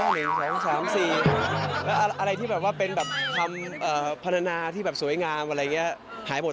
แล้วอะไรที่แบบว่าเป็นแบบคำพัฒนาที่แบบสวยงามอะไรอย่างนี้หายหมด